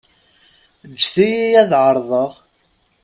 Ǧǧet-iyi ad ɛerḍeɣ.